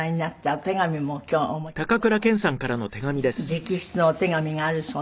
直筆のお手紙があるそう。